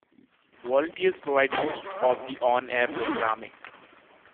Volunteers provide most of the on-air programming.